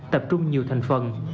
tập trung nhiều thành phần